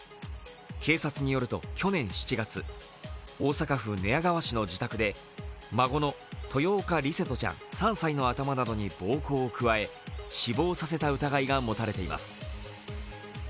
警察によると去年７月、大阪府寝屋川市の自宅で孫の豊岡琉聖翔ちゃん３歳の頭などに暴行を加え死亡させた疑いが持たれています。